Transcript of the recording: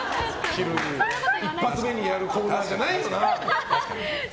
一発目にやるコーナーじゃないよな。